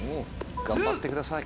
頑張ってください。